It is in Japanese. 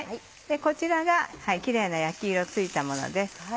こちらがキレイな焼き色ついたものです。